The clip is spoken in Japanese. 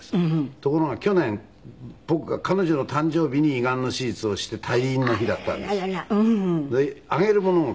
ところが去年僕が彼女の誕生日に胃がんの手術をして退院の日だったんです。